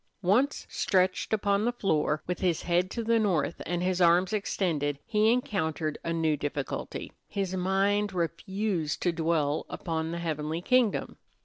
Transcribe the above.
Once stretched upon the floor, with his head to the north and his arms extended, he encountered a new difficulty: his mind refused to dwell upon the heavenly kingdom.